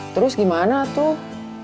terus gimana tuh